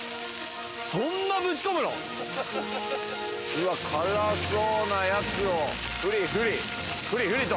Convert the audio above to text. そんなぶち込むの⁉辛そうなやつをふりふりふりふりと。